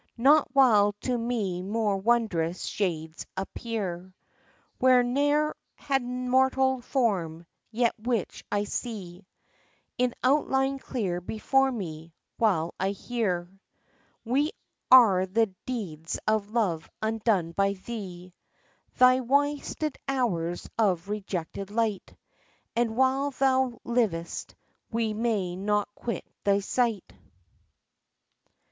— Not while to me more wondrous shades appear Which ne'er had mortal form, yet which I see In outline clear before me, while I hear : "We are the deeds of love undone by thee, — Thy wasted hours of rejected light; — And while thou livest we may not quit thy sight!"